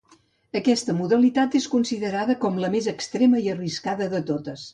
Aquesta modalitat és considerada com la més extrema i arriscada de totes.